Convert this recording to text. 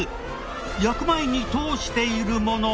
焼く前に通しているもの